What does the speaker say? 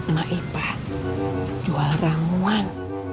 maipa jual ramuan